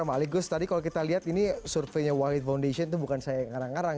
mas aligus tadi kalau kita lihat ini surveinya wahid foundation itu bukan saya ngarang ngarang